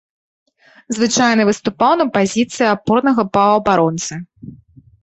Звычайна выступаў на пазіцыі апорнага паўабаронцы.